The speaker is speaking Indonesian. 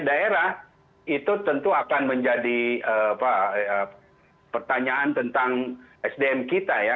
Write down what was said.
karena jumlahnya daerah itu tentu akan menjadi pertanyaan tentang sdm kita ya